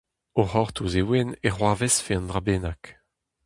O c'hortoz e oan e c'hoarvezfe un dra bennak !